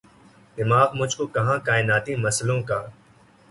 دماغ مجھ کو کہاں کائناتی مسئلوں کا